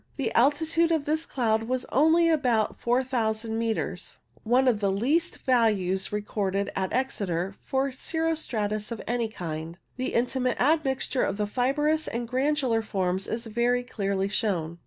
The altitude of this cloud was only about 4000 metres, one of the least values recorded at Exeter for cirro stratus of any kind. The intimate admixture of the fibrous and granular forms is very clearly shown.